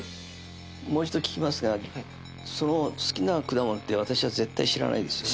もう一度聞きますがその好きな果物って私は絶対知らないですよね？